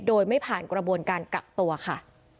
โดยไม่ผ่านกระบวนการกักตัวค่ะ